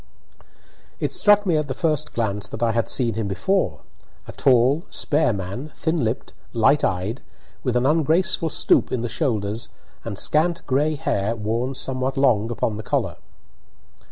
It struck me at the first glance that I had seen him before a tall, spare man, thin lipped, light eyed, with an ungraceful stoop in the shoulders and scant gray hair worn somewhat long upon collar.